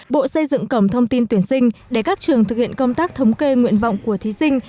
bộ xây dựng cổng thông tin tuyển sinh để các trường thực hiện công tác thống kê nguyện vọng của thí sinh